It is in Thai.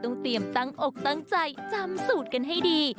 เตรียมตั้งอกตั้งใจจำสูตรกันให้ดี